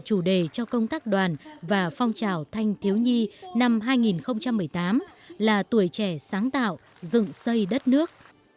chủ đề cho công tác đoàn và phong trào thanh thiếu nhi năm hai nghìn một mươi tám là tuổi trẻ sáng tạo dựng xây đất nước